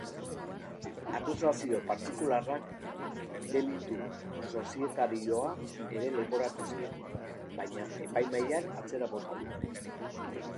Akusazio partikularrak delitu sozietarioa ere leporatu zien, baina epaimahaiak atzera bota du.